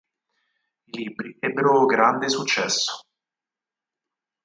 I libri ebbero grande successo.